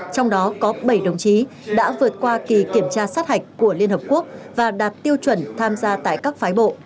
trong đó có bảy đồng chí đã vượt qua kỳ kiểm tra sát hạch của liên hợp quốc và đạt tiêu chuẩn tham gia tại các phái bộ